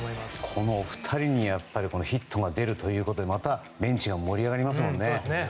この２人にヒットが出るということでまたベンチが盛り上がりますもんね。